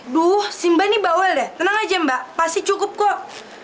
aduh si mbak ini bawel deh tenang aja mbak pasti cukup kok